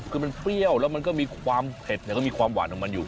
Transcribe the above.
คือมันเปรี้ยวแล้วมันก็มีความเผ็ดก็มีความหวานของมันอยู่